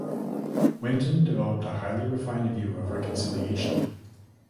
Wenten developed a highly refined view of reconciliation.